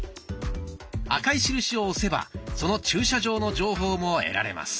赤い印を押せばその駐車場の情報も得られます。